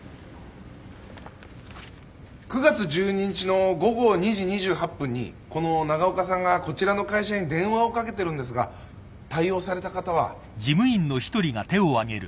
９月１２日の午後２時２８分にこの長岡さんがこちらの会社に電話をかけてるんですが対応された方は？